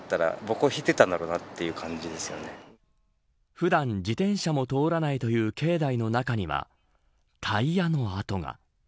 普段、自転車も通らないという境内の中にはタイヤの跡が。